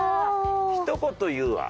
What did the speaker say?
ひと言言うわ。